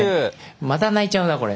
また泣いちゃうな、これ。